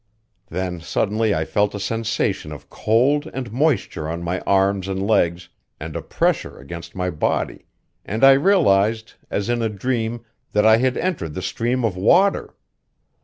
Then suddenly I felt a sensation of cold and moisture on my arms and legs and a pressure against my body, and I realized, as in a dream, that I had entered the stream of water!